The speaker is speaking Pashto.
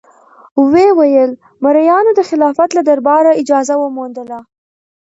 ویې ویل: مریانو د خلافت له دربار اجازه وموندله.